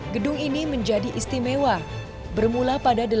gedung ini menjadi istimewa